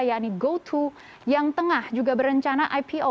ya ini goto yang tengah juga berencana ipo